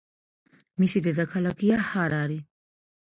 მისი დედაქალაქია ჰარარი.